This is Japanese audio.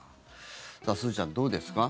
すずちゃん、どうですか。